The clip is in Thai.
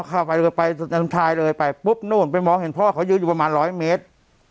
เข้าไปเลยไปจนท้ายเลยไปปุ๊บนู่นไปมองเห็นพ่อเขายืนอยู่ประมาณร้อยเมตร